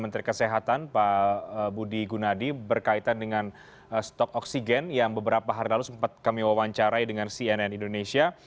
menteri kesehatan pak budi gunadi berkaitan dengan stok oksigen yang beberapa hari lalu sempat kami wawancarai dengan cnn indonesia